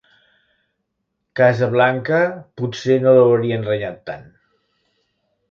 Casa Blanca, potser no l'haurien renyat tant.